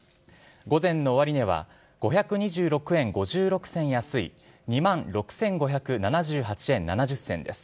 午前の終値は５２６円５６銭安い、２万６５７８円７０銭です。